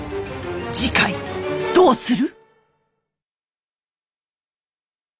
次回どうする？